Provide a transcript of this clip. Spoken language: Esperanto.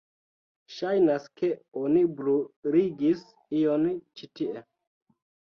Ŝajnas ke oni bruligis ion ĉi tie.